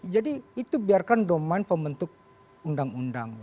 jadi itu biarkan domen pembentuk undang undang